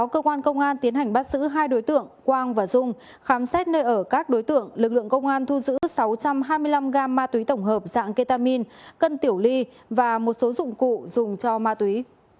cơ quan công an tiến hành bắt giữ hai đối tượng quang và dung khám xét nơi ở các đối tượng lực lượng công an thu giữ sáu trăm hai mươi năm gam ma túy tổng hợp dạng ketamin cân tiểu ly và một số dụng cụ dùng cho ma túy